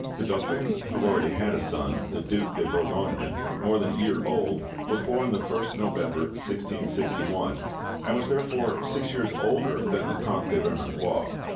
The dauphin, who already had a son, the Duc de Bourgogne, more than a year old, was born the 1st November 1661, and was therefore six years older than the Comte de Vermandois.